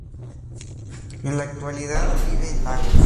En la actualidad vive en Lagos.